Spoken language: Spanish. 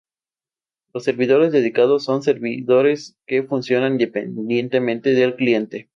Los servidores dedicados son servidores que funcionan independientemente del cliente.